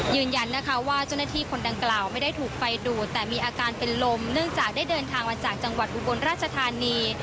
ยืนยันนะคะว่าเจ้าหน้าที่คนดังกล่าวไม่ได้ถูกไฟดูดแต่มีอาการเป็นลมเนื่องจากได้เดินทางมาจากจังหวัดอุบลราชธานี